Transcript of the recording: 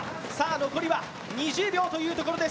残りは２０秒というところです。